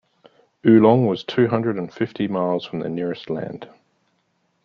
Oolong was two hundred and fifty miles from the nearest land.